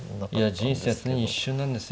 人生は常に一瞬なんですよ。